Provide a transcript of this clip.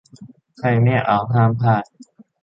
ใครไม่อยากเอาต์ห้ามพลาด